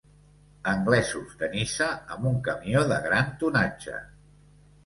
Anglesos de Niça amb un camió de gran tonatge.